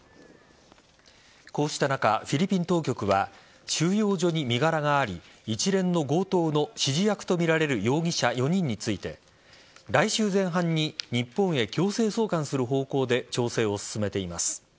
こうした中、フィリピン当局は収容所に身柄があり一連の強盗の指示役とみられる容疑者４人について来週前半に日本へ強制送還する方向で調整を進めています。